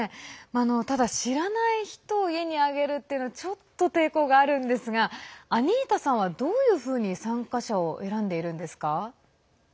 ただ知らない人を家に上げるのはちょっと抵抗があるんですがアニータさんは、どういうふうに参加者を選んでいるんですか？